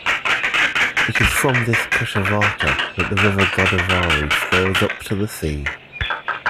It is from this Kushavarta that the river Godavari flows up to the sea.